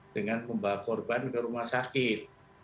dengan membawa korban ke rumah sakit